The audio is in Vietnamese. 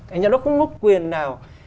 anh giám đốc không có quyền nào